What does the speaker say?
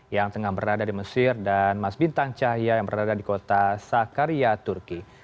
yang tengah berada di mesir dan mas bintang cahya yang berada di kota sakaria turki